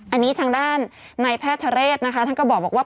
อันนี้ทางด้านในแพทย์ทะเรศนะคะท่านก็บอกว่า